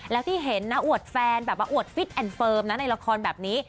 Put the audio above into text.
แล้วที่เห็นนะอวดแฟนแบบมาอวดฟิตแอนดเฟิร์มนะในละครแบบนี้